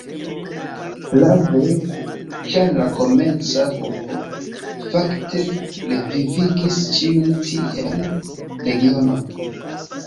Prave, ĉar la komenca grupo fakte revivigis ĉiun tiean regionon.